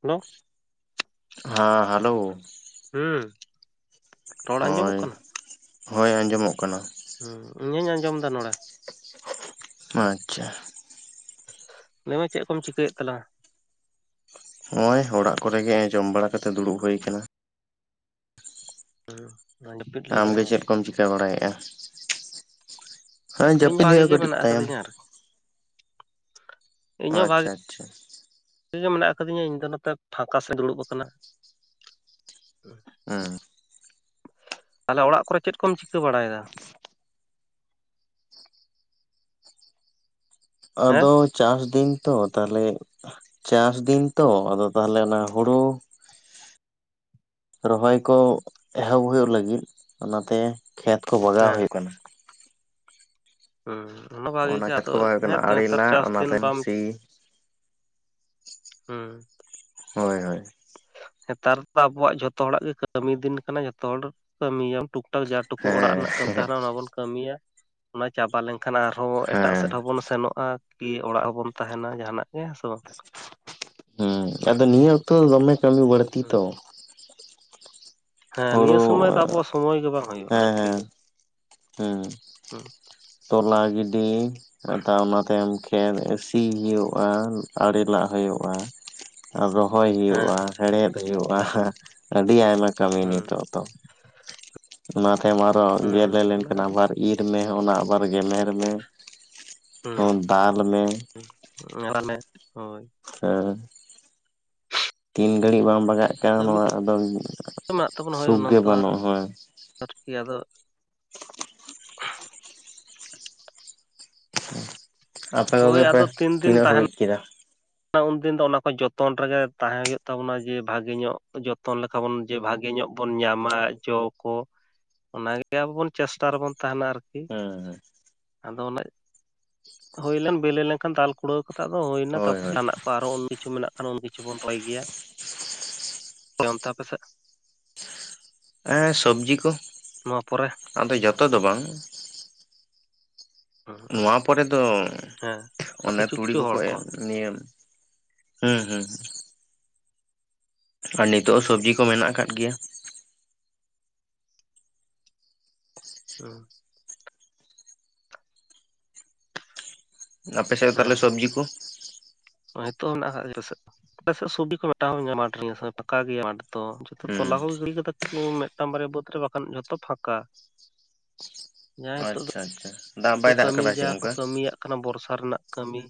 Hello ᱦᱟᱸ hello. ᱦᱩᱸ᱾ ᱨᱚᱲ ᱟᱸᱡᱚᱢᱚᱜ ᱦᱳᱭ, ᱠᱟᱱᱟ ᱦᱳᱭ ᱟᱸᱡᱚᱢᱚ-ᱜ ᱠᱟᱱᱟ᱾ ᱦᱩᱸ ᱤᱧ ᱦᱩᱧ ᱟᱸᱡᱚᱢᱫᱟ ᱱᱚᱸᱰᱮ᱾ ᱟᱪᱪᱷᱟ᱾ ᱞᱮᱭ ᱢᱮ ᱪᱮᱫ ᱠᱚᱢ ᱪᱤᱠᱟᱹᱭᱮᱫ ᱛᱟᱞᱟᱝᱟ᱾ ᱦᱚᱸᱜᱼᱚᱭ ᱚᱲᱟᱜ ᱠᱚᱨᱮ ᱜᱮ ᱮ ᱡᱚᱢ ᱵᱟᱲᱟ ᱠᱟᱛᱮ ᱫᱩᱲᱩᱵ ᱦᱩᱭ ᱠᱟᱱᱟ᱾ [inaudible] ᱞᱟᱹᱜᱤᱫ ᱟᱢᱜᱮ ᱫᱚ ᱪᱮᱫ ᱠᱚᱢ ᱪᱤᱠᱟᱹ ᱵᱟᱲᱟᱭᱮᱫᱼᱟ? ᱦᱮᱸ ᱤᱧ ᱦᱚᱸ ᱡᱟᱹᱯᱤᱫ ᱵᱷᱟᱜᱤ ᱜᱮ ᱦᱩᱭᱩᱜ-ᱟ ᱠᱟᱹᱴᱤᱡ ᱢᱮᱱᱟᱜ ᱛᱟᱭᱚᱢ᱾ ᱟᱠᱟᱫᱤᱧᱟ ᱟᱨᱠᱤ ᱤᱧᱦᱚᱸ ᱟᱪᱪᱷᱟ ᱵᱷᱟᱜᱤ ᱟᱪᱪᱷᱟ᱾ [inaudible] ᱜᱮ ᱢᱮᱱᱟᱜ ᱟᱠᱟᱫᱤᱧᱟ ᱤᱧ ᱫᱚ ᱱᱚᱛᱮ ᱯᱷᱟᱸᱠᱟ ᱥᱮᱫ ᱫᱩᱲᱩᱵ ᱟᱠᱟᱱᱟ᱾ ᱦᱩᱸ᱾ ᱛᱟᱞᱦᱮ ᱚᱲᱟᱜ ᱠᱚᱨᱮ ᱪᱮᱫ ᱠᱚᱢ ᱪᱤᱠᱟᱹ ᱵᱟᱲᱟᱭᱮᱫᱟ? ᱦᱮᱸ ᱟᱫᱚ ᱪᱟᱥ ᱫᱤᱱ ᱛᱚ ᱛᱟᱞᱦᱮ ᱪᱟᱥ ᱫᱤᱱ ᱛᱚ ᱟᱫᱚ ᱛᱟᱦᱚᱞᱮ ᱚᱱᱟ ᱦᱳᱲᱳ ᱨᱚᱦᱚᱭ ᱠᱚ ᱮᱦᱚᱵ ᱦᱩᱭᱩᱜ ᱞᱟᱹᱜᱤᱫ ᱚᱱᱟᱛᱮ ᱠᱷᱮᱛ ᱠᱚ ᱵᱟᱜᱟᱣ ᱦᱮᱸ ᱦᱩᱭᱩᱜ ᱠᱟᱱᱟ᱾ ᱦᱩᱸ ᱚᱱᱟ ᱵᱷᱟᱜᱮ ᱜᱮ ᱠᱷᱮᱛ ᱟᱫᱚ ᱠᱚ ᱵᱟᱜᱟᱣ ᱦᱩᱭᱩᱜ ᱠᱟᱱᱟ ᱦᱮᱸ ᱛᱚ ᱟᱲᱮ ᱦᱮᱛᱟᱨ ᱞᱟ ᱪᱟᱥ ᱚᱱᱟ ᱫᱤᱱ ᱛᱟᱭᱚᱢ ᱵᱟᱢ ᱥᱤ ᱦᱩᱸ᱾ ᱦᱳᱭ ᱦᱳᱭ᱾ ᱦᱮᱸᱛᱟᱨ ᱫᱚ ᱟᱵᱚᱣᱟᱜ ᱡᱷᱚᱛᱚ ᱦᱚᱲᱟᱜ ᱜᱮ ᱠᱟᱹᱢᱤ ᱫᱤᱱ ᱠᱟᱱᱟ ᱡᱷᱚᱛᱚ ᱦᱚᱲ ᱠᱟᱹᱢᱤᱭᱟᱢ ᱴᱩᱠ ᱡᱟ ᱴᱩᱠᱩ ᱚᱲᱟᱜ ᱦᱮᱸ ᱨᱮᱱᱟᱜ [inaudible] ᱛᱟᱦᱮᱱᱟ ᱚᱱᱟ ᱵᱚᱱ ᱠᱟᱹᱢᱤᱭᱟ ᱚᱱᱟ ᱪᱟᱵᱟ ᱞᱮᱱ ᱠᱷᱟᱱ ᱟᱨᱦᱚᱸ ᱮᱴᱟᱜ ᱦᱮᱸ ᱥᱮᱫ ᱦᱚᱸᱵᱚᱱ ᱥᱮᱱᱚᱜ-ᱟ ᱠᱤ ᱚᱲᱟᱜ ᱦᱚᱸᱵᱚᱱ ᱛᱟᱦᱮᱱᱟ ᱡᱟᱦᱟᱱᱟᱜ ᱜᱮ, ᱦᱮ ᱥᱮ ᱵᱟᱝ? ᱦᱩ ᱟᱫᱚ ᱱᱤᱭᱟᱹ ᱚᱠᱛᱚ ᱫᱚᱢᱮ ᱠᱟᱹᱢᱤ ᱵᱟᱹᱲᱛᱤ ᱦᱩᱸ ᱛᱚ᱾ ᱦᱮ ᱱᱤᱭᱟᱹ ᱦᱳᱲᱳ ᱥᱚᱢᱚᱭ ᱫᱚ ᱟᱵᱚᱣᱟᱜ ᱥᱚᱢᱚᱭ ᱜᱮ ᱵᱟᱝ ᱦᱩᱭᱩᱜ-ᱟ ᱟᱨ ᱠᱤ᱾ ᱦᱩ ᱛᱚᱞᱟ ᱜᱤᱰᱤ ᱚᱱᱟ ᱛᱟᱭᱚᱢ᱾ ᱠᱷᱮᱛ ᱥᱤ ᱦᱩᱭᱩᱜ-ᱟ ᱟᱲᱮ ᱞᱟᱜ ᱦᱩᱭᱩᱜ-ᱟ ᱟᱨ ᱨᱚᱦᱚᱭ ᱦᱮᱸ ᱦᱩᱭᱩᱜ-ᱟ ᱾ ᱦᱮᱲᱦᱮᱫ ᱦᱩᱭᱩᱜ-ᱟ ᱟᱹᱰᱤ ᱟᱭᱢᱟ ᱠᱟᱹᱢᱤ ᱦᱩᱸ ᱱᱤᱛᱚᱜ ᱫᱚ᱾ ᱚᱱᱟ ᱛᱟᱭᱚᱢ ᱟᱨᱚ ᱜᱮᱞᱮ ᱦᱩᱸ ᱞᱮᱱᱠᱷᱟᱱ ᱟᱹᱰᱤ ᱟᱵᱟᱨ ᱤᱨ ᱢᱮ ᱚᱱᱟ᱾ ᱚᱵᱟᱨ ᱜᱮᱢᱮᱨ ᱢᱮ ᱦᱩᱸ ᱦᱚᱸ ᱫᱟᱞ ᱢᱮ᱾ ᱦᱳᱭ᱾ ᱦᱮᱸ᱾ ᱛᱤᱱ ᱜᱷᱟᱹᱲᱤᱡ ᱵᱟᱝ ᱵᱟᱜᱟᱜ ᱠᱟᱱᱟ ᱠᱟᱹᱢᱤ ᱱᱚᱣᱟ ᱛᱚ ᱟᱫᱚ ᱥᱩᱠ ᱜᱮ ᱵᱟᱹᱱᱩᱜ ᱦᱳᱭ᱾ ᱟᱨ ᱠᱤ ᱟᱫᱚ᱾ [unintelligible] ᱟᱯᱮ ᱦᱳᱭ ᱠᱚᱜᱮ ᱯᱮ ᱟᱫᱚ ᱛᱤᱱ ᱫᱤᱱ ᱛᱤᱱᱟᱹᱜ ᱛᱟᱦᱮᱱᱟ ᱦᱟᱹᱵᱤᱡ ᱠᱮᱫᱟ? ᱩᱱᱫᱤᱱ ᱫᱚ ᱚᱱᱟ ᱠᱚ ᱡᱚᱛᱚᱱ ᱨᱮᱜᱮ ᱛᱟᱦᱮᱸ ᱦᱩᱭᱩᱜ ᱛᱟᱵᱚᱱᱟ ᱡᱮ ᱵᱷᱟᱜᱮ ᱧᱚᱜ ᱡᱚᱛᱚᱱ ᱞᱮᱠᱟ ᱵᱚᱱ ᱡᱮ ᱵᱷᱟᱜᱮ ᱧᱚᱜ ᱵᱚᱱ ᱧᱟᱢᱟ ᱡᱚ ᱠᱚ᱾ ᱚᱱᱟᱜᱮ ᱟᱵᱚ ᱵᱚᱱ ᱪᱮᱥᱴᱟ ᱨᱮᱵᱚᱱ ᱛᱟᱦᱮᱱᱟ ᱟᱨᱠᱤ᱾ ᱦᱩᱸ ᱾ ᱟᱫᱚ ᱚᱱ ᱦᱩᱭᱞᱮᱱ ᱵᱮᱞᱤ ᱞᱮᱱᱠᱷᱟᱱ ᱫᱟᱞ ᱠᱩᱲᱟᱹᱣ ᱠᱟᱛᱮ ᱫᱚ ᱦᱩᱭᱱᱟ ᱦᱳᱭ ᱛᱟᱨᱯ ᱦᱳᱭ ᱟᱨᱚ ᱩᱱ ᱠᱤᱪᱷᱩ ᱢᱮᱱᱟᱜ ᱠᱷᱟᱱ ᱩᱱ ᱠᱤᱪᱷᱩ ᱵᱚᱱ ᱨᱚᱦᱚᱭ ᱜᱮᱭᱟ᱾ ᱚᱱᱛᱮ ᱟᱯᱮᱥᱮᱫ? ᱦᱮᱸ ᱥᱚᱵᱡᱤ ᱠᱚ ᱯᱚᱨᱮ ᱟᱫᱚ ᱡᱚᱛᱚ ᱫᱚ ᱵᱟᱝ᱾ ᱱᱚᱣᱟ ᱯᱚᱨᱮ ᱫᱚ ᱦᱮᱸ ᱟᱨ ᱚᱱᱮ ᱠᱤᱪᱷᱩ ᱛᱩᱲᱤ ᱠᱤᱪᱷᱩ ᱠᱚᱠᱚ ᱦᱚᱲ ᱠᱚ ᱮᱨ᱾ ᱱᱤᱭᱮᱯ ᱦᱩᱸ ᱦᱩᱸ᱾ ᱟᱨ ᱱᱤᱛᱚᱜ ᱦᱚᱸ ᱥᱚᱵᱡᱤ ᱠᱚ ᱢᱮᱱᱟᱜ ᱟᱠᱟᱫ ᱜᱮᱭᱟ᱾ ᱦᱩᱸ᱾ ᱟᱯᱮ ᱥᱮᱫ ᱫᱚ ᱛᱟᱦᱚᱞᱮ ᱦᱮᱸ ᱥᱚᱵᱽᱡᱤ ᱠᱚ᱾ ᱱᱤᱛᱚᱜ ᱦᱚᱸ ᱦ ᱢᱮᱱᱟᱜᱟᱜ ᱟᱞᱮᱥᱮᱫ ᱪᱷᱚᱵᱤ ᱠᱚ ᱢᱮᱴᱟᱣ ᱦᱚᱸ ᱧᱟᱢᱟᱤᱧᱟᱹ ᱯᱟᱠᱟ ᱜᱮᱭᱟᱢ ᱢᱟᱴᱷᱚ ᱾ ᱛᱚ ᱡᱚᱛᱚ ᱛᱚᱞᱟ ᱦᱩᱸ ᱠᱚᱮ ᱜᱤᱰᱤ ᱠᱟᱫᱟ ᱢᱤᱫᱴᱟᱱ ᱵᱟᱨᱭᱟ ᱵᱟᱹᱫᱽ ᱨᱮ ᱵᱟᱠᱷᱟᱱ ᱡᱷᱚᱛᱚ ᱯᱷᱟᱠᱟ᱾ ᱡᱟᱦᱟᱸ ᱦᱤᱛᱚᱜ ᱟᱪᱪᱷᱟ ᱟᱪᱪᱷᱟ ᱫᱟᱜ ᱫᱚ ᱵᱟᱭ ᱫᱟᱜ ᱠᱟᱹᱢᱤ ᱟᱠᱟᱫᱟ ᱪᱮ ᱡᱟ ᱠᱚ ᱚᱱᱠᱟ ᱠᱟᱹᱢᱤᱭᱟᱜ ᱠᱟᱱᱟ ᱵᱚᱨᱥᱟ ᱨᱮᱱᱟᱜ ᱠᱟᱹᱢᱤ᱾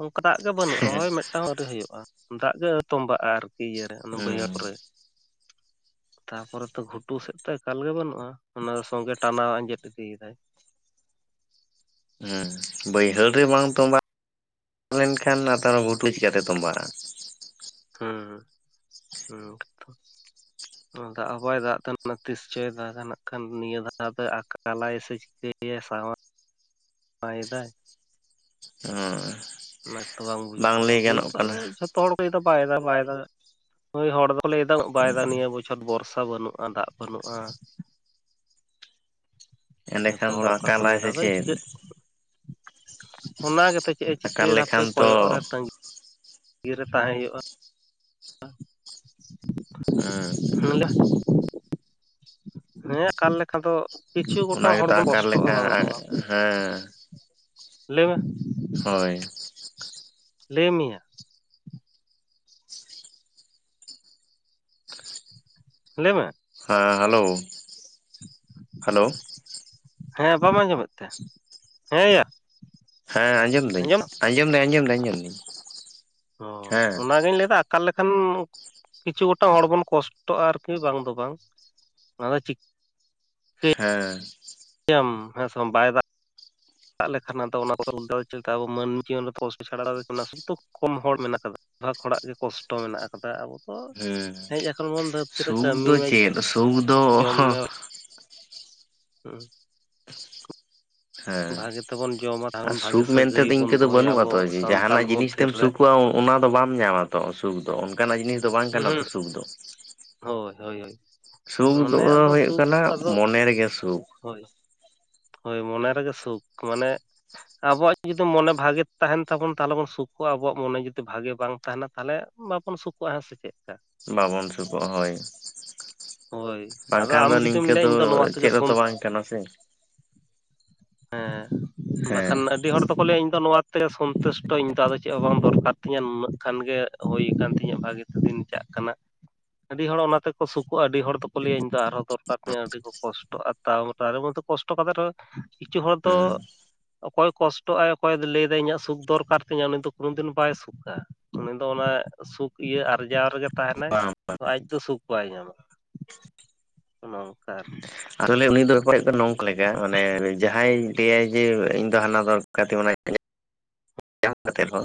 ᱚᱱᱠᱟ ᱫᱟᱜ ᱜᱮ ᱵᱟᱹᱱᱩᱜ ᱨᱮᱚᱦᱚᱸᱭ ᱢᱤᱫᱴᱟᱝ ᱦᱚᱸ ᱟᱹᱣᱨᱤ ᱦᱩᱭᱩᱜᱼᱟ᱾ ᱫᱟᱜ ᱜᱮ ᱛᱚᱸᱵᱟᱜᱼᱟ ᱟᱨᱠᱤ ᱤᱭᱟᱹᱟᱹᱨᱮ ᱚᱱᱟ ᱦᱩᱸ ᱵᱟᱹᱭᱦᱟᱹᱲ ᱨᱮ᱾ ᱛᱟᱯᱚᱨᱮ ᱛᱚ ᱜᱷᱩᱴᱩ ᱥᱮᱫ ᱛᱚ ᱮᱠᱟᱞ ᱜᱮ ᱵᱟᱹᱱᱩᱜᱼᱟ ᱚᱱᱟ ᱫᱚ ᱥᱚᱸᱜᱮ ᱴᱟᱱᱟᱣ ᱟᱸᱡᱮᱫ ᱤᱫᱤᱭᱮᱫᱟᱭ᱾ ᱦᱮᱸ ᱵᱟᱹᱭᱦᱟᱹᱲ ᱨᱮ ᱵᱟᱝ ᱛᱚᱸᱵᱟ ᱞᱮᱱᱠᱷᱟᱱ ᱱᱮᱛᱟᱨ ᱦᱚᱸ ᱜᱷᱩᱴᱩ ᱪᱮᱠᱟᱛᱮ ᱛᱚᱸᱵᱟᱜᱼᱟ᱾ ᱦᱩᱸ ᱦᱩᱸ ᱦᱩᱸ ᱾ ᱫᱟᱜ ᱦᱚᱸ ᱵᱟᱭ ᱫᱟᱜ ᱛᱟᱦᱮ ᱛᱤᱥᱪᱚᱭ ᱫᱟᱜᱱᱟᱜ ᱠᱷᱟᱱ ᱱᱤᱭᱟᱹ ᱫᱟᱜᱟ ᱫᱚ ᱟᱠᱟᱞᱟᱭ ᱥᱮ ᱪᱤᱠᱟᱹᱭᱟᱭ ᱥᱟᱶ᱾ ᱟᱭ ᱫᱟᱭ ᱦᱚᱸ ᱚᱱᱟ ᱛᱚ ᱵᱟᱝ ᱵᱩᱡᱩᱜ ᱠᱟᱱᱟ ᱞᱟᱹᱭ ᱵᱩᱡ ᱫ ᱜᱟᱱᱚᱜ ᱟᱫᱚ᱾ ᱠᱟᱱᱟ ᱡᱚᱛᱚ ᱦᱚᱲ ᱠᱚᱫᱟ ᱵᱟᱭ ᱫᱫᱟ ᱵᱟᱭ ᱮᱫᱟ ᱭ ᱦᱚᱲ ᱫᱚ ᱞᱟᱹᱭ ᱫᱫᱟ ᱵᱟᱭ ᱫᱫᱟ ᱱᱤᱭᱟᱹ ᱵᱩᱡ ᱛᱚᱪ ᱵᱚᱨᱥᱟ ᱵᱟᱹᱱᱩᱜᱼᱟ ᱫᱟᱜ ᱵᱟᱹᱱᱩᱜᱼᱟ᱾ ᱡᱚᱛᱚ ᱮᱸᱰᱮᱠᱷᱟᱱ ᱦᱚᱲ ᱫᱚ ᱚᱱᱠᱟ ᱠᱚ ᱞᱟᱹᱭ ᱟᱠᱟᱞᱟᱭ ᱫᱟ ᱥᱮ ᱪᱮᱫ ᱪᱤᱠᱟᱹᱜ ᱚᱱᱟᱜᱮ ᱪᱮᱫ ᱮ ᱟᱠᱟᱞ ᱪᱤᱠᱟᱹᱭ ᱫᱟᱯᱮ ᱞᱮᱠᱷᱟᱱ ᱛᱚ ᱠᱚᱭᱚᱜ ᱨᱮ ᱛᱟᱹᱜᱤ ᱛᱤ ᱨᱮ ᱛᱟᱦᱮᱸ ᱦᱩᱭᱩᱜᱼᱟ᱾ ᱦᱩᱸ ᱾ ᱦᱩᱭᱩᱜᱼᱟ ᱦᱮᱸ ᱟᱠᱟᱞ ᱞᱮᱠᱷᱟᱱ ᱫᱚ- ᱠᱤᱪᱷᱩ ᱜᱚᱴᱟᱝ ᱚᱱᱟ ᱦᱚᱲ ᱜᱮᱛᱚ ᱵᱚᱱ ᱟᱠᱟᱞ ᱠᱚᱥᱴᱚᱜᱼᱟ ᱞᱮᱠᱟ ᱵᱟᱝ ᱫᱚ ᱵᱟᱝ ᱦᱮᱸ ᱞᱟᱹᱭ ᱢᱮ᱾ ᱦᱳᱭ᱾ ᱞᱟᱹᱭ ᱢᱮᱭᱟ᱾ ᱞᱟᱹᱭᱢᱮ ᱾ ᱦᱮᱸ ᱦᱮᱞᱳ, ᱦᱮᱞᱳ ᱾ ᱦᱮᱸ ᱵᱟᱢ ᱟᱸᱡᱚᱢ ᱮᱫ ᱛᱮ? ᱦᱮᱸᱭᱟ? ᱦᱮᱸ ᱟᱸᱡᱚᱢ ᱫᱟᱹᱧ, ᱟᱸᱡᱚᱢ ᱫᱟᱹᱧ ᱟᱸᱡᱚᱢ ᱫᱟᱹᱧ ᱟᱸᱡᱚᱢ ᱫᱟᱹᱧ ᱾ ᱚ ᱚᱱᱟᱜᱤᱧ ᱞᱟᱹᱭᱟ ᱟᱠᱟᱞ ᱞᱮᱠᱷᱟᱱ ᱠᱤᱪᱷᱩ ᱜᱚᱴᱟᱝ ᱦᱚᱲ ᱵᱚᱱ ᱠᱚᱥ ᱴᱚᱜᱼᱟ ᱟᱨᱠᱤ ᱵᱟᱝ ᱫᱚ ᱵᱟᱝ ᱾ ᱚᱱᱟ ᱫᱚ ᱪᱤᱠ ᱦᱮᱸ [unintelligible] ᱟᱢ ᱦᱮᱸᱥᱚᱢ ᱵᱟᱭ ᱫᱟᱜ ᱫᱟᱜ ᱞᱮᱠᱷᱟᱱ ᱟᱫᱚ [unintelligible] ᱚᱱᱟ ᱪᱮᱫ ᱟᱵᱚ ᱢᱟᱹᱱᱢᱤ ᱡᱤᱭᱚᱱ ᱠᱚᱥᱴᱚ ᱪᱷᱟᱲᱟ ᱫᱚ ᱚᱱᱟ [unintelligible] ᱫᱚ ᱠᱚᱢ ᱦᱚᱲ ᱢᱮᱱᱟᱜ ᱠᱟᱫᱟ [unintelligible] ᱵᱷᱟᱜᱽ ᱦᱚᱲᱟᱜ ᱜᱮ ᱠᱚᱥᱴᱚ ᱢᱮᱱᱟᱜ ᱠᱟᱫᱟ ᱟᱵᱚ ᱾ ᱛᱚ ᱦᱮᱸ ᱦᱮᱡ ᱟᱠᱟᱱᱟ ᱵᱚᱱ ᱫᱷᱟᱹᱨᱛᱤ ᱨᱮ ᱥᱩᱠ ᱠᱟᱹᱢᱤ ᱫᱚ ᱢᱮ, ᱪᱮᱫ ᱥᱩᱠ ᱫᱚ ᱡᱚᱢ ᱦᱮᱸ ᱢᱮ ᱦᱩᱸ ᱾ ᱦᱮᱸ ᱵᱷᱟᱜᱮ ᱛᱮᱵᱚᱱ ᱡᱚᱢᱟ ᱟᱨ ᱛᱟᱦᱚᱞᱮ ᱵᱷᱟᱜᱮ ᱥᱩᱠ ᱢᱮᱱ ᱥᱟᱹᱜᱟᱹᱭ ᱛᱮᱫᱚ ᱵᱚᱱ ᱤᱱᱠᱟᱹ ᱫᱚ ᱫᱚᱦᱚᱭᱟ ᱵᱟᱹᱱᱩᱜᱼᱟ ᱟᱵᱚ ᱛᱚ ᱡᱮ ᱥᱟᱱᱛᱟᱞ ᱡᱟᱦᱟᱱᱟᱜ ᱡᱤᱱᱤᱥ ᱢᱚᱫᱽᱫᱷᱮ ᱛᱮᱢ ᱨᱮ ᱥᱩᱠᱩᱜᱼᱟ ᱚᱱᱟ ᱫᱚ ᱵᱟᱢ ᱧᱟᱢᱟ ᱛᱚ, ᱥᱩᱠ ᱫᱚ ᱚᱱᱠᱟᱱᱟᱜ ᱡᱤᱱᱤᱥ ᱫᱚ ᱵᱟᱝ ᱠᱟᱱᱟ ᱦᱩᱸ ᱛᱚ ᱥᱩᱠ ᱫᱚ ᱾ ᱦᱳᱭ ᱦᱳᱭ ᱦᱳᱭ ᱾ ᱥᱩᱠ ᱫᱚ ᱦᱳᱭᱜ ᱠᱟᱱᱟ ᱢᱚᱱᱮ ᱨᱮᱜᱮ ᱥᱩᱠ ᱾ ᱦᱳᱭ ᱾ ᱦᱳᱭ ᱢᱚᱱᱮ ᱨᱮᱜᱮ ᱥᱩᱠ ᱢᱟᱱᱮ ᱟᱵᱚᱣᱟᱜ ᱡᱩᱫᱤ ᱢᱚᱱᱮ ᱵᱷᱟᱜᱮ ᱛᱟᱦᱮᱱ ᱛᱟᱵᱚᱱ ᱛᱟᱦᱚᱞᱮ ᱵᱚᱱ ᱥᱩᱠᱜᱼᱟ ᱟᱵᱚᱣᱟᱜ ᱢᱚᱱᱮ ᱡᱩᱫᱤ ᱵᱷᱟᱜᱮ ᱵᱟᱝ ᱛᱟᱦᱮᱱᱟ ᱛᱟᱦᱚᱞᱮ ᱵᱟᱵᱚᱱ ᱥᱩᱠᱩᱜᱼᱟ ᱦᱮ ᱥᱮ ᱪᱮᱫ ᱾ ᱵᱟᱵᱚᱱ ᱥᱩᱠᱩᱜ-ᱟ ᱦᱳᱭ ᱦᱳᱭ ᱾ ᱟᱫᱚ ᱵᱟᱝᱠᱷᱟᱱ ᱟᱢ ᱫᱚ ᱡᱩᱫᱤᱢ ᱱᱤᱝᱠᱟᱹ ᱞᱟᱹᱭᱟ ᱫᱚ ᱤᱧ ᱱᱚᱣᱟ ᱛᱮᱜᱮ ᱪᱮᱫ ᱦᱚᱸᱛᱚ ᱥᱚᱱ ᱵᱟᱝ ᱠᱟᱱᱟ ᱥᱮ ᱾ ᱦᱮᱸ ᱦᱮᱸ ᱵᱟᱠᱷᱟᱱ ᱟᱹᱰᱤ ᱦᱚᱲ ᱫᱚᱠᱚ ᱞᱟᱹᱭᱟ ᱤᱧ ᱫᱚ ᱱᱚᱣᱟᱛᱮ ᱥᱚᱱᱛᱛᱩᱥᱴᱚ ᱤᱧ ᱫᱚ ᱟᱫᱚ ᱪᱮᱫ ᱦᱚᱸ ᱵᱟᱝ ᱫᱚᱨᱠᱟᱨ ᱛᱤᱧᱟᱹ ᱱᱩᱱᱟᱹᱜ ᱠᱷᱟᱱ ᱜᱮ ᱦᱩᱭ ᱟᱠᱟᱱ ᱛᱤᱧᱟᱹ ᱵᱷᱟᱹᱜᱮ ᱾ ᱫᱤᱱ ᱪᱟᱜ ᱠᱟᱱᱟ, ᱟᱹᱰᱤ ᱦᱚᱲ ᱚᱱᱟ ᱛᱮᱠᱚ ᱥᱩᱠᱜᱼᱟ ᱟᱹᱰᱤ ᱦᱚᱲ ᱫᱚᱠᱚ ᱞᱟᱹᱭᱟ ᱤᱧ ᱫᱚ ᱟᱨᱦᱚᱸ ᱫᱚᱨ ᱠᱟᱨ ᱛᱤᱧᱟᱹ ᱟᱹᱰᱤ ᱠᱚᱥᱴᱚᱜᱼᱟ ᱛᱟᱣ ᱛᱟᱨᱮ ᱢᱚᱫᱫᱷᱮ ᱠᱚᱥᱴᱚ ᱠᱟᱛᱮ ᱨᱮᱦᱚᱸ ᱠᱤᱪᱷᱩ ᱦᱚᱲ ᱫᱚ ᱦᱮᱸ ᱚᱠᱚᱭ ᱠᱚᱥᱴᱚᱜᱼᱟᱭ ᱚᱠᱚᱭ ᱫᱚ ᱞᱟᱹᱭ ᱫᱟᱭ ᱤᱧᱟᱹᱜ ᱥᱩᱠ ᱫᱚᱨᱠᱟᱨ ᱛᱤᱧᱟ ᱩᱱᱤ ᱫᱚ ᱠᱳᱱᱳ ᱫᱤᱱ ᱵᱟᱭ ᱥᱩᱠ ᱠᱟ ᱩᱱᱤ ᱫᱚ ᱚᱱᱟ ᱥᱩᱠ ᱤᱭᱟᱹ ᱟᱨᱡᱟᱣ ᱨᱮᱜᱮ ᱛᱟᱦᱮᱱᱟᱭ ᱵᱟᱝ ᱟᱡ ᱫᱚ ᱥᱩᱠ ᱵᱟᱭ ᱧᱟᱢᱟ ᱾ ᱚᱱᱮ ᱚᱝᱠᱟ ᱟᱨ ᱾ ᱟᱨᱚ ᱞᱟᱹᱭ ᱩᱱᱤ ᱫᱚ ᱵᱮᱯᱟᱨ ᱦᱩᱭᱩᱜ ᱠᱟᱱᱟ ᱱᱚᱝᱠᱟ ᱞᱮᱠᱟ ᱢᱟᱱᱮ ᱡᱟᱦᱟᱸᱭ ᱞᱟᱹᱭ ᱟᱭ ᱡᱮ ᱤᱧ ᱫᱚ ᱦᱟᱱᱟ ᱫᱚᱨᱠᱟᱨ ᱛᱤᱧ ᱚᱱᱟ ᱧᱟᱢ ᱠᱟᱛᱮᱫ ᱨᱮᱦᱚᱸ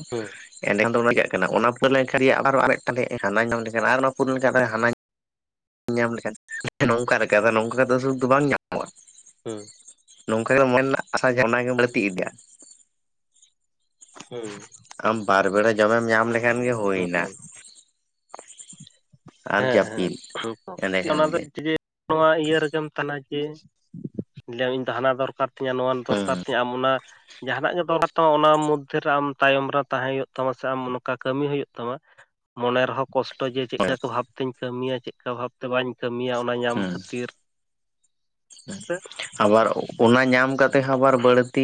ᱮᱱᱮ ᱠᱷᱟᱱ ᱫᱚ ᱚᱱᱟ ᱪᱤᱠᱟᱜ ᱚᱱᱟ ᱯᱩᱨᱟᱹ ᱞᱮᱱᱠᱷᱟᱱ ᱟᱵᱟᱨ ᱦᱚ ᱟᱨ ᱢᱤᱫᱴᱟᱱ ᱦᱮᱡ ᱮᱱ ᱦᱟᱱᱟ ᱧᱟᱢ ᱞᱮᱠᱷᱟᱱ ᱟᱨ ᱚᱱᱟᱹ ᱯᱩᱨᱟᱹ ᱞᱮᱠᱦᱷᱟᱱ ᱦᱟᱱᱟ ᱧᱟᱢ ᱞᱮᱠᱷᱟᱱ ᱱᱚᱝᱠᱟ ᱞᱮᱠᱟ ᱟᱫᱚ ᱱᱚᱝᱠᱟ ᱠᱟᱛᱮᱫ ᱫᱚ ᱥᱩᱠ ᱵᱟᱝ ᱧᱟᱢᱚᱜᱼᱟ ᱾ ᱦᱩᱸ ᱾ ᱱᱚᱝᱠᱟ ᱜᱮ ᱢᱚᱱᱮ ᱨᱮᱱᱟᱜ ᱟᱥᱟ ᱡᱟᱦᱟ ᱚᱱᱟ ᱜᱮ ᱵᱟᱹᱲᱛᱤ ᱤᱫᱤᱜᱼᱟ ᱾ ᱦᱩᱸ ᱾ ᱟᱢ ᱵᱟᱨ ᱵᱮᱲᱟ ᱡᱚᱢᱮᱢ ᱧᱟᱢ ᱞᱮᱠᱷᱟᱱ ᱜᱮ ᱦᱩᱭ ᱮᱱᱟ ᱦᱳᱭ ᱾ ᱟᱨ ᱡᱟᱹᱯᱤᱫ ᱮᱸᱱᱮᱠᱷᱟᱱ ᱜᱮ ᱾ ᱱᱚᱣᱟ ᱤᱭᱟᱹ ᱨᱮᱜᱮᱢ ᱛᱟᱦᱮᱱᱟ ᱡᱮ ᱞᱟᱹᱭ ᱟᱢ ᱤᱧ ᱫᱚ ᱦᱟᱱᱟ ᱫᱚᱨᱠᱟᱨ ᱛᱤᱧᱟᱹ ᱱᱚᱣᱟ ᱫᱚᱨᱠᱟᱨ ᱦᱩᱸ ᱛᱤᱧᱟᱹ ᱟᱢ ᱚᱱᱟ ᱡᱟᱦᱟᱱᱟᱜ ᱜᱮ ᱫᱚᱨᱠᱟᱨ ᱛᱟᱢᱟ ᱚᱱᱟ ᱢᱚᱫᱫᱷᱮ ᱨᱮ ᱟᱢ ᱛᱟᱭᱚᱢ ᱨᱮ ᱛᱟᱦᱮᱸ ᱦᱩᱭᱩᱜ ᱛᱟᱢᱟ ᱥᱮ ᱟᱢ ᱱᱚᱠᱟ ᱠᱟᱹᱢᱤ ᱦᱩᱭᱩᱜ ᱛᱟᱢᱟ ᱾ ᱢᱚᱱᱮ ᱨᱮᱦᱚᱸ ᱠᱚᱥᱴᱚ ᱡᱮ ᱪᱮᱫ ᱠᱟ ᱠᱚ ᱵᱷᱟᱵᱛᱮᱧ ᱠᱟᱹᱢᱤᱭᱟ ᱪᱮᱫᱠᱟ ᱵᱷᱟᱵᱛᱮ ᱵᱟᱹᱧ ᱠᱟᱹᱢᱤᱭᱟ ᱚᱱᱟ ᱧᱟᱢ ᱦᱩᱸ ᱠᱷᱟᱹᱛᱤᱨ, ᱦᱮᱸᱥᱮ ᱾ ᱟᱵᱟᱨ ᱚᱱᱟ ᱧᱟᱢ ᱠᱟᱛᱮᱜ ᱦᱚᱸ ᱟᱵᱟᱨ ᱵᱟᱹᱲᱛᱤ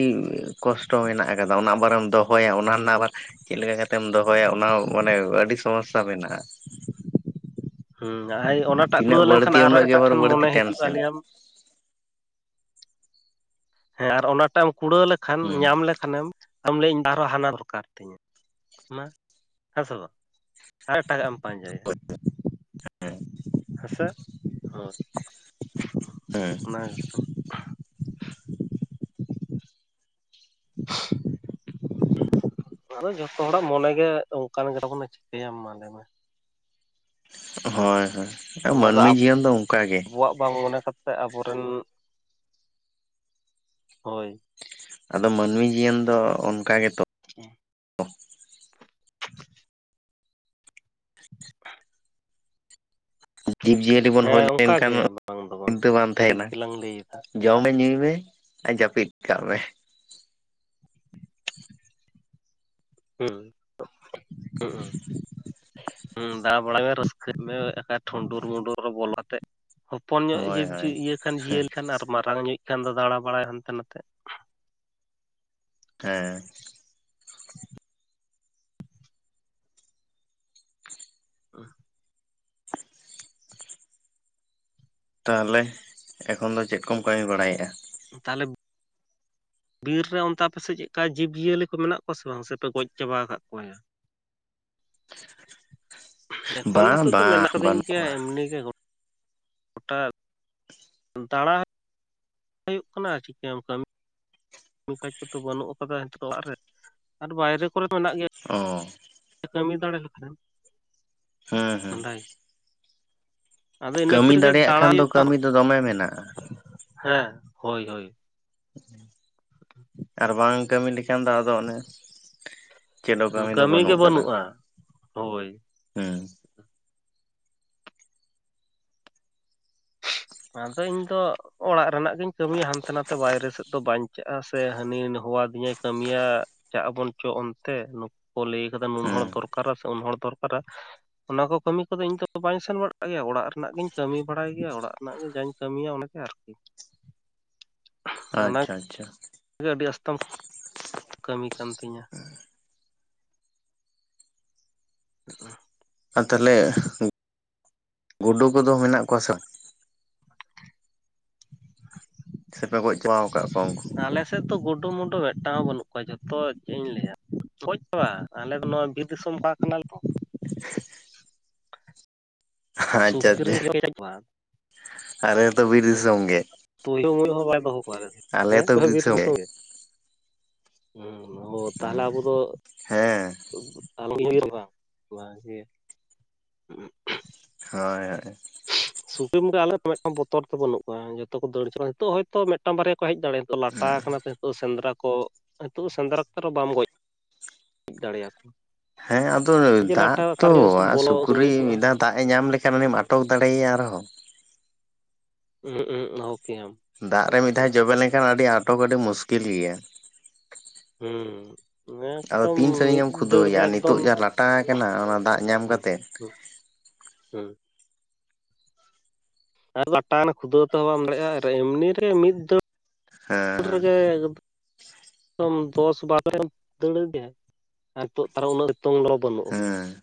ᱠᱚᱥᱴᱚ ᱢᱮᱱᱟᱜ ᱟᱠᱟᱫᱟ, ᱚᱱᱟ ᱟᱵᱟᱨᱮᱢ ᱫᱚ ᱫᱚᱦᱚᱭᱟ ᱚᱱᱟ ᱨᱮᱱᱟᱜ ᱟᱵᱟᱨ ᱪᱮᱫ ᱞᱮᱠᱟ ᱠᱟᱛᱮᱢ ᱫᱚᱦᱚᱭᱟ ᱚᱱᱟ ᱢᱟᱱᱮ ᱟᱹᱰᱤ ᱥᱚᱢᱚᱥᱥᱟ ᱢᱮᱱᱟᱜᱼᱟ᱾ ᱦᱩᱸ ᱚᱱᱟᱴᱟᱜ ᱠᱩᱲᱟᱹᱣ ᱛᱤᱱᱟᱹᱜ ᱞᱮᱱᱠᱷᱟᱱ ᱵᱟᱹᱲᱛᱤ ᱟᱨᱦᱚᱸ ᱩᱱᱟᱹᱜ ᱜᱮ ᱮᱴᱟᱜ ᱟᱵᱟᱨ ᱴᱷᱮᱱ ᱢᱚᱱᱮ ᱵᱟᱹᱲᱛᱤ ᱦᱤᱡᱩᱜᱼᱟ ᱴᱮᱱᱥᱮᱱ ᱞᱮᱭᱟᱢ, ᱦᱮᱸ ᱟᱨ ᱚᱱᱟᱴᱟᱜ ᱮᱢ ᱠᱩᱲᱟᱹᱣ ᱞᱮᱠᱷᱟᱱ ᱦᱩᱸ ᱧᱟᱢ ᱞᱮᱠᱷᱟᱱᱮᱢ ᱟᱢ ᱞᱟᱹᱭᱟᱢ ᱟᱵᱟᱨ ᱦᱟᱱᱟ ᱫᱚᱨᱠᱟᱨ ᱛᱤᱧᱟᱹ ᱾ ᱢᱟ, ᱦᱮᱸ ᱥᱮ ᱵᱟᱝ ᱟᱨ ᱮᱴᱟᱜᱟᱜ ᱮᱢ ᱯᱟᱸᱡᱟᱭᱟ᱾ ᱦᱮᱸ᱾ ᱦᱮᱸ ᱥᱮ, ᱦᱳᱭ᱾ ᱦᱮᱸ᱾ ᱚᱱᱟ ᱜᱮᱛᱚ᱾ [inaudible] ᱟᱫᱚ ᱡᱷᱚᱛᱚ ᱦᱚᱲᱟᱜ ᱢᱚᱱᱮ ᱜᱮ ᱚᱱᱠᱟᱱ ᱜᱮᱛᱟᱵᱚᱱᱟ ᱪᱤᱠᱟᱹᱭᱟᱢ ᱢᱟ ᱞᱟᱹᱭ ᱢᱮ ᱾ ᱦᱳᱭ ᱦᱳᱭ ᱟᱨ ᱢᱟᱹᱱᱢᱤ ᱡᱤᱭᱚᱱ ᱫᱚ ᱚᱱᱠᱟ ᱜᱮ ᱾ ᱟᱵᱚᱣᱟᱜ ᱵᱟᱝ ᱢᱚᱱᱮ ᱠᱟᱛᱮ ᱛᱮ ᱟᱵᱚᱨᱮᱱ [inaudible] ᱦᱳᱭ᱾ ᱟᱫᱚ ᱢᱟᱹᱱᱢᱤ ᱡᱤᱭᱚᱱ ᱫᱚ ᱚᱱᱠᱟ ᱜᱮᱛᱚ᱾ [inaudible] ᱡᱤᱵᱽᱼᱡᱤᱭᱟᱹᱞᱤ ᱵᱚᱱ ᱦᱮᱸ ᱦᱳᱭ ᱚᱱᱠᱟ ᱞᱮᱱᱠᱷᱟᱱ ᱜᱮ ᱵᱟᱝ ᱫᱚ ᱪᱤᱱᱛᱟᱹ ᱵᱟᱝ ᱛᱟᱦᱮᱸ ᱴᱷᱤᱠ ᱠᱟᱱᱟ ᱜᱮᱞᱟᱝ ᱞᱟᱹᱭ ᱮᱫᱟ ᱾ ᱡᱚᱢ ᱢᱮ ᱧᱩᱭ ᱢᱮ ᱟᱨ ᱡᱟᱹᱯᱤᱫ ᱠᱟᱜ ᱢᱮ᱾ ᱦᱩᱸ, ᱦᱩᱸᱜ-ᱩᱸ᱾ ᱦᱮᱸ ᱫᱟᱲᱟ ᱵᱟᱲᱟᱭ ᱢᱮ ᱨᱟᱹᱥᱠᱟᱹᱭ ᱢᱮ ᱟᱠᱟ ᱴᱷᱩᱰᱩᱨ ᱢᱩᱰᱩᱨ ᱨᱮ ᱵᱚᱞᱚ ᱟᱛᱮᱜ ᱦᱚᱯᱚᱱ ᱧᱚᱜ ᱦᱳᱭ ᱡᱤᱵᱽ ᱦᱳᱭ ᱤᱭᱟᱹ ᱠᱷᱟᱱ ᱡᱤᱭᱟᱹᱞᱤ ᱠᱷᱟᱱ ᱟᱨ ᱢᱟᱨᱟᱝ ᱧᱚᱜ ᱤᱡ ᱠᱷᱟᱱ ᱫᱚ ᱫᱟᱬᱟ ᱵᱟᱲᱟᱭ ᱦᱟᱱᱛᱮ ᱱᱟᱛᱮ ᱾ ᱦᱮᱸ᱾ [inaudible] [unintelligible] ᱛᱟᱦᱚᱞᱮ ᱮᱠᱷᱚᱱ ᱫᱚ ᱪᱮᱫ ᱠᱚᱢ ᱠᱟᱹᱢᱤ ᱵᱟᱲᱟᱭᱮᱫᱼᱟ? ᱛᱟᱦᱚᱞᱮ ᱵᱤᱨ ᱨᱮ ᱚᱱᱛᱮ ᱟᱯᱮᱥᱮᱫ ᱪᱮᱫᱠᱟ ᱡᱤᱵᱽᱼᱡᱤᱭᱟᱹᱞᱤ ᱠᱚ ᱢᱮᱱᱟᱜ ᱠᱚᱣᱟ ᱥᱮ ᱵᱟᱝ ᱥᱮᱯᱮ ᱜᱚᱡ ᱪᱟᱵᱟ ᱟᱠᱟᱫ ᱠᱚᱣᱟᱭᱟ᱾ ᱮᱠᱷᱚᱱ ᱫᱚ ᱵᱟᱝ ᱱᱤᱛᱳᱜ ᱫᱚ ᱵᱟᱝ ᱢᱮᱱᱟᱜ ᱠᱟᱹᱫᱤᱧ ᱵᱟᱹᱱᱩᱜ ᱜᱮᱭᱟ ᱠᱚᱣᱟ ᱮᱢᱱᱤ ᱜᱮ ᱜᱚ ᱜᱚᱴᱟ [inaudible] ᱫᱟᱬᱟ ᱦᱩᱭᱩᱜ ᱠᱟᱱᱟ ᱪᱤᱠᱟᱹᱭᱟᱢ ᱠᱟᱹᱢᱤ ᱠᱟᱹᱢᱤ ᱠᱟᱡᱽ ᱠᱚᱫᱚ ᱵᱟᱹᱱᱩᱜ ᱟᱠᱟᱫᱟ ᱱᱤᱛᱚᱜ ᱚᱲᱟᱜ ᱨᱮ ᱟᱨ ᱵᱟᱭᱨᱮ ᱠᱚᱨᱮ ᱢᱮᱱᱟᱜ ᱜᱮᱭᱟ ᱚ ᱠᱟᱹᱢᱤ ᱫᱟᱲᱮ ᱞᱮᱠᱷᱟᱱ, ᱦᱮᱸ ᱦᱮᱸ᱾ ᱟᱫᱚ ᱤᱱᱟᱹ ᱠᱟᱹᱢᱤ ᱠᱷᱟᱹᱛᱤᱨ ᱜᱮ ᱫᱟᱲᱮᱭᱟᱜ ᱫᱟᱬᱟᱭ ᱠᱷᱟᱱ ᱫᱚ ᱦᱩᱭᱩᱜ ᱠᱟᱱᱟ, ᱠᱟᱹᱢᱤ ᱫᱚ ᱫᱚᱢᱮ ᱢᱮᱱᱟᱜᱼᱟ ᱦᱮᱸ ᱦᱳᱭ ᱦᱳᱭ᱾ ᱟᱨ ᱵᱟᱝ ᱠᱟᱹᱢᱤ ᱞᱮᱠᱷᱟᱱ ᱫᱚ ᱟᱫᱚ ᱚᱱᱮ ᱪᱮᱫᱚ ᱦᱚᱸ ᱠᱟᱹᱢᱤ ᱫᱚ ᱜᱮ ᱵᱟᱹᱱᱩᱜ ᱟᱠᱟᱫᱟ ᱵᱟᱹᱱᱩᱜᱼᱟ ᱦᱳᱭ [inaudible] ᱦᱩᱸ᱾ ᱟᱫᱚ ᱤᱧ ᱫᱚ ᱚᱲᱟᱜ ᱨᱮᱱᱟᱜ ᱜᱤᱧ ᱠᱟᱹᱢᱤᱭᱟ ᱦᱟᱱᱛᱮ ᱱᱟᱛᱮ ᱵᱟᱭᱨᱮ ᱥᱮᱫ ᱫᱚ ᱵᱟᱧᱪᱟᱜᱼᱟ ᱥᱮ ᱦᱟᱹᱱᱤ ᱦᱚᱣᱟ ᱟᱹᱫᱤᱧᱟᱭ ᱠᱟᱹᱢᱤᱭᱟ ᱪᱟᱜ ᱟᱵᱚᱱ ᱪᱚ ᱚᱱᱛᱮ ᱱᱩᱠᱩ ᱠᱚ ᱞᱟᱹᱭ ᱠᱟᱫᱟ ᱱᱩᱱ ᱦᱚᱲ ᱦᱩᱸ ᱫᱚᱨᱠᱟᱨᱟ ᱥᱮ ᱩᱱ ᱦᱚᱲ ᱫᱚᱨᱠᱟᱨᱟ ᱚᱱᱟ ᱠᱚ ᱠᱟᱹᱢᱤ ᱠᱚᱫᱚ ᱤᱧ ᱫᱚ ᱵᱟᱹᱧ ᱥᱮᱱ ᱵᱟᱲᱟᱜ ᱜᱮᱭᱟ ᱚᱲᱟᱜ ᱨᱮᱱᱟᱜ ᱜᱤᱧ ᱠᱟᱹᱢᱤ ᱵᱟᱲᱟᱭ ᱜᱮᱭᱟ ᱚᱲᱟᱜ ᱨᱮᱱᱟᱜ ᱜᱮ ᱡᱟᱧ ᱠᱟᱹᱢᱤᱭᱟ ᱚᱱᱟᱜᱮ ᱟᱨᱠᱤ, ᱟᱪᱪᱷᱟ ᱟᱪᱪᱷᱟ᱾ ᱜᱮ ᱟᱹᱰᱤ ᱟᱥᱛᱚᱢ [inaudible] ᱠᱟᱹᱢᱤ ᱠᱟᱱ ᱛᱤᱧᱟ᱾ [inaudible] ᱟᱨ ᱛᱟᱦᱚᱞᱮ [inaudible] ᱜᱩᱰᱩ ᱠᱚᱫᱚ ᱢᱮᱱᱟᱜ ᱠᱚᱣᱟ ᱥᱮ ᱵᱟᱝ? ᱥᱮᱯᱮ ᱜᱚᱡ ᱪᱟᱵᱟ ᱟᱠᱟᱫ ᱠᱚᱣᱟ ᱩᱱᱠᱩ᱾ ᱟᱞᱮᱥᱮᱫ ᱫᱚ ᱜᱩᱰᱩ-ᱢᱩᱰᱩ ᱢᱤᱫᱴᱟᱝ ᱦᱚᱸ ᱵᱟᱹᱱᱩᱜ ᱠᱚᱣᱟ ᱡᱚᱛᱚ ᱪᱮᱫ ᱤᱧ ᱞᱟᱹᱭᱟ᱾ ᱜᱚᱡ [unintelligible] ᱟᱞᱮ ᱫᱚ ᱱᱚᱣᱟ ᱵᱤᱨ ᱫᱤᱥᱚᱢ [unintelligible] ᱠᱟᱱᱟᱞᱮ ᱛᱚ᱾ ᱟᱪᱪᱷᱟ ᱥᱩᱠᱨᱤᱢ ᱟᱪᱪᱷᱟ ᱡᱚᱢ ᱠᱟᱜ ᱠᱚᱣᱟ? ᱟᱞᱮ ᱦᱚᱛᱚ ᱵᱤᱨ ᱫᱤᱥᱚᱢᱚᱢ ᱜᱮ᱾ [unintelligible] ᱦᱚᱸ ᱵᱟᱭ [unintelligible] ᱠᱚᱣᱟ᱾ ᱦᱮᱸ ᱟᱞᱮ ᱦᱚᱸᱛᱚ ᱟᱯᱮ ᱵᱤᱨ ᱦᱚᱸᱵᱤᱨ ᱫᱤᱥᱚᱢ ᱫᱚᱥᱚᱢ ᱜᱮ? ᱦᱩᱸ ᱳ ᱛᱟᱦᱚᱞᱮ ᱟᱵᱚ ᱫᱚ ᱦᱮᱸ [unintelligible] ᱦᱳᱭ ᱦᱳᱭ᱾ ᱥᱩᱠᱨᱤ [unintelligible] ᱟᱞᱮ ᱢᱤᱫᱴᱟᱝ ᱵᱚᱛᱚᱨ ᱛᱮ ᱵᱟᱹᱱᱩᱜ ᱠᱚᱣᱟ ᱡᱚᱛᱚ ᱠᱚ ᱫᱟᱹᱲ ᱪᱟᱵᱟ ᱱᱤᱛᱚᱜ ᱦᱭᱛᱳ ᱢᱮ ᱢᱤᱫᱴᱟᱝ ᱵᱟᱨᱭᱟ ᱠᱚ ᱦᱮᱡ ᱫᱟᱲᱮᱭᱟᱜᱼᱟ ᱱᱚᱜ ᱞᱟᱴᱟ ᱟᱠᱟᱱᱟ ᱛᱚ ᱱᱤᱛᱚᱜ ᱥᱮᱸᱫᱽᱨᱟ ᱠᱚ ᱱᱤᱛᱚᱜ ᱥᱮᱸᱨᱟ ᱠᱚ ᱨᱮᱦᱚ ᱵᱟᱢ ᱜᱚᱡ ᱫᱟᱲᱮᱭᱟᱠᱚᱣᱟ᱾ ᱦᱮᱸ ᱟᱫᱚ ᱡᱮ ᱫᱟᱜ ᱞᱟᱴᱟ ᱛᱚ ᱚᱠᱟᱨᱮ ᱟᱨ ᱵᱚᱞᱚ ᱥᱩᱠᱨᱤ ᱥᱩᱫᱩᱡᱚᱜᱼᱟ ᱢᱤᱫᱷᱟᱣ ᱫᱟᱜ ᱮ ᱧᱟᱢ ᱞᱮᱠᱷᱟᱱ ᱩᱱᱤᱢ ᱟᱴᱚᱠ ᱫᱟᱲᱮᱭᱟᱭᱟ ᱟᱨᱦᱚᱸ᱾ ᱩᱦᱩᱸᱜ ᱩᱦᱩᱸᱜ ᱚᱦᱚ ᱠᱮᱭᱟᱢ᱾ ᱫᱟᱜ ᱨᱮ ᱢᱤᱫ ᱫᱷᱟᱣ ᱡᱚᱵᱮ ᱞᱮᱱᱠᱷᱟᱱ ᱟᱹᱰᱤ ᱟᱴᱚᱠ ᱟᱹᱰᱤ ᱢᱩᱥᱠᱤᱞ ᱜᱮᱭᱟ᱾ ᱦᱩᱸ᱾ ᱟᱫᱚ ᱮᱠᱫᱚᱢ ᱛᱤᱱ ᱥᱟᱺᱜᱤᱧ ᱢᱤᱫ ᱮᱢ ᱫᱟᱹᱲ ᱠᱷᱩᱫᱟᱹᱣᱮᱭᱟ ᱨᱮ ᱟᱨ ᱮᱠᱫᱚᱢ ᱱᱤᱛᱚᱜ ᱡᱟ ᱞᱟᱴᱟ ᱟᱠᱟᱱᱟ ᱚᱱᱟ ᱫᱟᱜ ᱧᱟᱢ ᱦᱩᱸ ᱠᱟᱛᱮᱫ᱾ ᱦᱩᱸ ᱦᱩᱸ [unintelligible] ᱟᱨ ᱮᱢᱱᱤ ᱨᱮ ᱢᱤ ᱫᱟᱹᱲ ᱦᱮᱸ ᱨᱮᱜᱮ ᱮᱠᱫᱚᱢ [unintelligible] ᱫᱚᱥ ᱵᱟᱨᱚ [unintelligible] ᱫᱟᱹᱲ ᱤᱫᱤᱭᱟᱭ ᱟᱨ ᱛᱟᱦᱚᱞᱮ ᱱᱤᱛᱚᱜ [unintelligible] ᱵᱟᱹᱱᱩᱜᱼᱟ ᱦᱮᱸ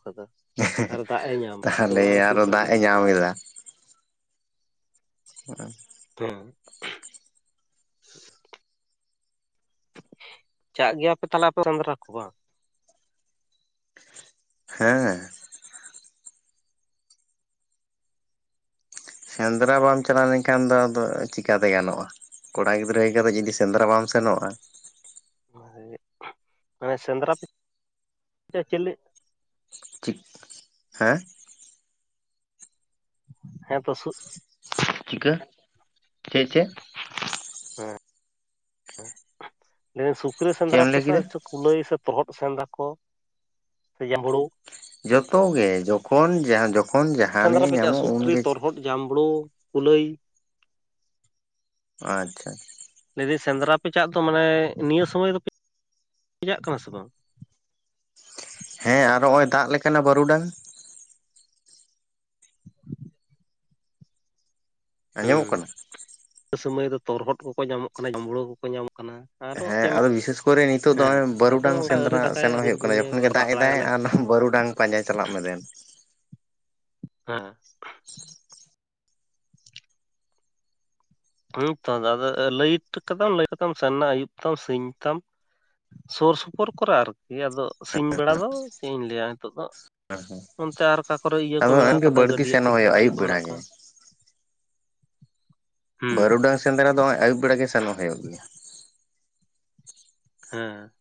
[unintelligible] ᱟᱨ ᱫᱟᱜ ᱮ ᱧᱟᱢᱟ ᱱᱤᱛᱚᱜ ᱛᱟᱦᱚᱞᱮ ᱫᱚ [unintelligible] ᱟᱨᱚ ᱫᱟᱜ ᱮ ᱥᱟᱺᱜᱤᱧ ᱠᱮᱭᱟ᱾ ᱧᱟᱢ ᱦᱮᱸ᱾ ᱦᱮᱸ᱾ ᱪᱟᱜ ᱜᱮᱭᱟᱯᱮ ᱛᱟᱦᱚᱞᱮ ᱟᱯᱮ ᱥᱮᱸᱫᱽᱨᱟ ᱠᱚ ᱵᱟᱝ? ᱦᱮᱸ᱾ ᱥᱮᱸᱫᱽᱨᱟ ᱵᱟᱢ ᱪᱟᱞᱟᱣ ᱞᱮᱱᱠᱷᱟᱱ ᱫᱚ ᱟᱫᱚ ᱪᱤᱠᱟᱛᱮ ᱜᱟᱱᱚᱜᱼᱟ᱾ ᱠᱚᱲᱟ ᱜᱤᱫᱽᱨᱟᱹ ᱦᱩᱭ ᱠᱟᱛᱮᱫ ᱡᱩᱫᱤ ᱥᱮᱸᱫᱽᱨᱟ ᱵᱟᱢ ᱥᱮᱱᱚᱜᱼᱟ᱾ ᱦᱩᱭ ᱢᱟᱱᱮ ᱥᱮᱸᱫᱽᱨᱟ [unintelligible] ᱪᱮᱞᱮ ᱦᱮᱸ? ᱦᱮᱸ ᱛᱚ ᱥᱩ ᱪᱤᱠᱟᱹ ᱪᱮᱫ ᱪᱮᱫ? ᱦᱮᱸ [unintelligible] ᱥᱩᱠᱨᱤ ᱪᱮᱫ ᱥᱮᱸᱫᱽᱨᱟ ᱮᱢ ᱞᱟᱹᱭ ᱟᱯᱮᱥᱮ ᱠᱮᱫᱟ? ᱠᱩᱞᱟᱹᱭ ᱥᱮ ᱛᱚᱨᱦᱚᱫ ᱥᱮᱸᱫᱽᱨᱟ ᱠᱚ ᱥᱮ ᱡᱟᱸᱢᱵᱽᱲᱩ ᱡᱚᱛᱚᱜᱮ ᱡᱚᱠᱷᱚᱱ ᱡᱚᱠᱷᱚᱱ ᱡᱟᱦᱟᱱᱤᱡ ᱮ ᱧᱟᱢᱚᱜ ᱩᱱᱜᱮ ᱡᱟᱢᱵᱲᱩ ᱠᱩᱞᱟᱹᱭ᱾ ᱟᱪᱪᱷᱟ᱾ ᱞᱟᱹᱭᱫᱟᱹᱧ ᱥᱮᱸᱫᱽᱨᱟᱯᱮ ᱪᱟᱜ ᱫᱚ ᱢᱟᱱᱮ ᱱᱤᱭᱟᱹ ᱥᱚᱢᱚᱭ ᱫᱚᱯᱮ ᱪᱟᱜ ᱠᱟᱱᱟ ᱥᱮ ᱵᱟᱝ? ᱦᱮᱸ ᱟᱨ ᱱᱚᱜᱼᱭ ᱫᱟᱜ ᱞᱮᱠᱷᱟᱱᱮ ᱵᱟᱹᱨᱩᱰᱟᱝ᱾ ᱟᱸᱡᱚᱢᱚᱜ ᱦᱩᱸ ᱠᱟᱱᱟ? ᱤᱱᱟᱹ ᱥᱩᱢᱟᱹᱭ ᱫᱚ ᱛᱚᱨᱦᱚᱫ ᱠᱚᱠᱚ ᱧᱟᱢᱚᱜ ᱠᱟᱱᱟ ᱡᱟᱢᱲᱳ ᱠᱚᱠᱚ ᱧᱟᱢᱚᱜ ᱠᱟᱱᱟ᱾ ᱦᱮᱸ ᱟᱫᱚ ᱵᱤᱥᱮᱥ ᱠᱚᱨᱮ ᱱᱤᱛᱚᱜ ᱫᱚ ᱱᱚᱜᱚᱭ ᱟᱫᱚ ᱵᱟᱹᱨᱩᱰᱟᱝ ᱚᱱᱠᱟ ᱟᱹᱣᱨᱤ ᱥᱮᱸᱫᱽᱨᱟ ᱫᱟᱠᱟᱭᱟ ᱥᱮᱱᱚᱜ ᱟᱹᱣᱨᱤ ᱦᱩᱭᱩᱜ ᱠᱟᱱᱟ ᱵᱩᱱᱭᱟ ᱡᱚᱠᱷᱚᱱ ᱜᱮ ᱨᱟᱜ ᱫᱟᱜ ᱮᱫᱟᱭ ᱵᱟᱲᱟᱭᱟᱞᱮ ᱟᱨ ᱵᱟᱹᱨᱩᱰᱟᱝ ᱯᱟᱸᱡᱟᱭ ᱪᱟᱞᱟᱜ ᱢᱮ ᱫᱮᱱ᱾ ᱦᱮᱸ᱾ ᱦᱩᱸ ᱛᱚ ᱟᱫᱚ ᱞᱟᱹᱭᱤᱴ ᱠᱟᱫᱟᱢ ᱞᱟᱹᱭᱤᱴ ᱠᱟᱛᱮᱢ ᱥᱮᱱ ᱮᱱᱟ ᱟᱭᱩᱵ ᱛᱟᱢ ᱥᱤᱧ ᱛᱟᱢ ᱥᱩᱨ ᱥᱩᱯᱩᱨ ᱠᱚᱨᱮ ᱟᱨᱠᱤ ᱟᱫᱚ ᱥᱤᱧ ᱵᱮᱲᱟ ᱫᱚ ᱪᱮᱫ ᱤᱧ ᱞᱟᱹᱭᱟ ᱱᱤᱛᱳᱜ ᱫᱚ᱾ ᱚᱱᱛᱮ ᱟᱨ ᱚᱠᱟ ᱠᱚᱨᱮ ᱤᱭᱟᱹ ᱠᱚ ᱟᱫᱚ ᱢᱮᱱᱟᱜ ᱱᱚᱜᱼᱚᱭ ᱜᱮ ᱠᱟᱫᱟ ᱵᱟᱹᱲᱛᱤ ᱜᱟᱹᱰᱟᱭᱟᱹ ᱠᱚ ᱥᱮᱱᱚᱜ ᱦᱩᱭᱩᱜᱼᱟ ᱯᱩᱠᱷᱨᱤ ᱟᱹᱭᱩᱵ ᱠᱚ ᱵᱮᱲᱟ ᱢᱮᱱᱟᱜ ᱜᱮ ᱠᱟᱜ-ᱟ᱾ ᱦᱩᱸ ᱵᱟᱹᱨᱩᱰᱟᱝ ᱥᱮᱸᱫᱽᱨᱟ ᱫᱚ ᱱᱚᱜᱼᱚᱭ ᱟᱭᱩᱵ ᱵᱮᱲᱟ ᱜᱮ ᱥᱮᱱᱚᱜ ᱦᱩᱭᱩᱜ ᱜᱮᱭᱟ᱾ ᱦᱮᱸ ᱦᱮᱸ